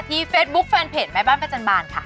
เฟซบุ๊คแฟนเพจแม่บ้านประจันบาลค่ะ